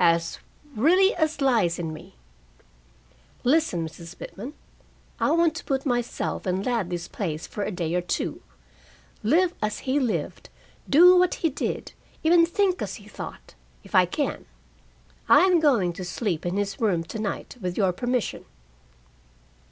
"As really as lies in me. Listen, Mrs. Pitman. I want to put myself in Ladley's place for a day or two, live as he lived, do what he did, even think as he thought, if I can. I am going to sleep in his room to night, with your permission."